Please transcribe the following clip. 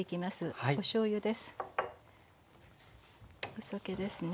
お酒ですね。